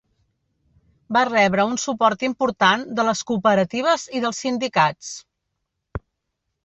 Va rebre un suport important de les cooperatives i dels sindicats.